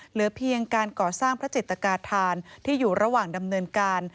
เหลือเพียงการก่อสร้างพระจิตกาธานที่อยู่ระหว่างดำเนินการ